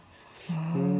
うん。